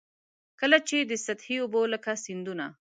کله چي د سطحي اوبو لکه سیندونه.